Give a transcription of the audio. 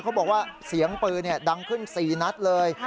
บอกว่าเสียงปืนดังขึ้น๔นัดเลย